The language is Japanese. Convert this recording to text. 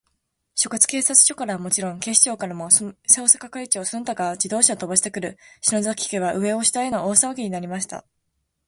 所轄警察署からはもちろん、警視庁からも、捜査係長その他が自動車をとばしてくる、篠崎家は、上を下への大さわぎになりました。